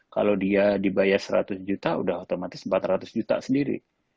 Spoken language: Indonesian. kalau dia dibayar seratus juta udah otomatis empat ratus juta sendiri